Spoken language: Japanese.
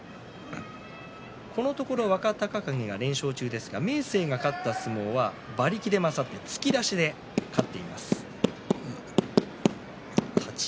このところ若隆景が全勝中ですが明生が勝つ時は馬力で勝って突き出しで勝っています。